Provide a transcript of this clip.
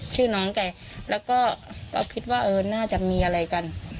ชื่อน้องแกแล้วก็คิดว่าเออน่าจะมีอะไรกัน